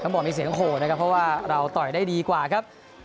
บอกมีเสียงโหดนะครับเพราะว่าเราต่อยได้ดีกว่าครับ